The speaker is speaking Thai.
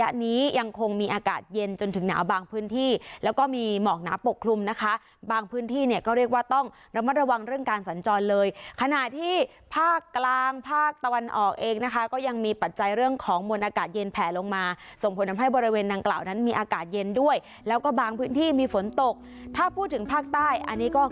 และนี้ยังคงมีอากาศเย็นจนถึงหนาวบางพื้นที่แล้วก็มีหมอกหนาปกคลุมนะคะบางพื้นที่เนี่ยก็เรียกว่าต้องระมัดระวังเรื่องการสัญจรเลยขณะที่ภาคกลางภาคตะวันออกเองนะคะก็ยังมีปัจจัยเรื่องของมวลอากาศเย็นแผลลงมาส่งผลทำให้บริเวณดังกล่าวนั้นมีอากาศเย็นด้วยแล้วก็บางพื้นที่มีฝนตกถ้าพูดถึงภาคใต้อันนี้ก็